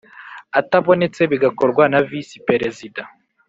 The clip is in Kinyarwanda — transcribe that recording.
atabonetse bigakorwa na Visi Perezida